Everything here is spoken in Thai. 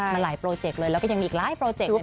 มันหลายโปรเจกต์เลยแล้วก็ยังมีอีกหลายโปรเจกต์